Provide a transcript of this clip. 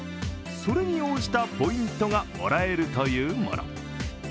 それに応じたポイントがもらえるというもの。